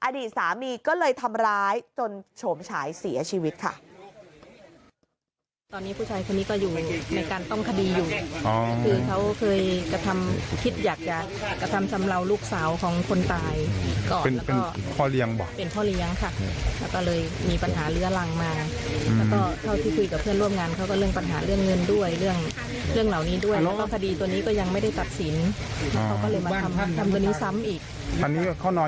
อดีตสามีก็เลยทำร้ายจนโฉมฉายเสียชีวิตค่ะ